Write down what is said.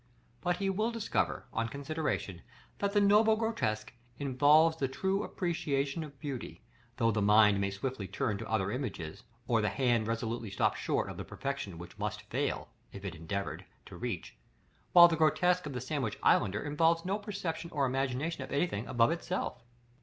But he will discover, on consideration, that the noble grotesque involves the true appreciation of beauty, though the mind may wilfully turn to other images or the hand resolutely stop short of the perfection which it must fail, if it endeavored, to reach; while the grotesque of the Sandwich islander involves no perception or imagination of anything above itself.